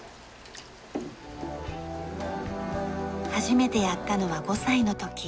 初めてやったのは５歳の時。